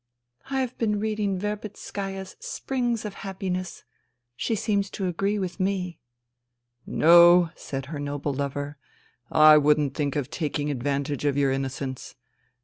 I have been reading Verbitskaya's Springs of Happiness. She seems to agree with me." " No," said her noble lover, " I wouldn't think of taking advantage of your innocence.